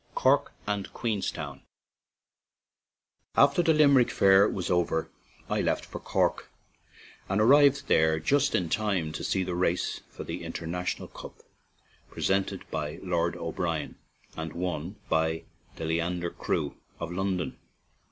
CORK AND QUEENSTOWN AFTER the Limerick fair was over I left for Cork, and arrived there just in time to see the race for the International Cup, presented by Lord O'Brien and won by the Leander crew, of London.